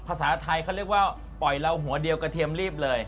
ภาษาไทยเขาเรียกว่าปล่อยเราหัวเดียวกระเทียมรีบเลย